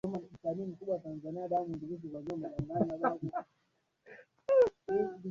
Mazishi yake yalihudhuliwa na mamia ya watu wakiwemo